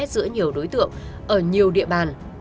giữa nhiều đối tượng ở nhiều địa bàn